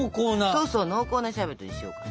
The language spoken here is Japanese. そうそう濃厚なシャーベットにしようかと。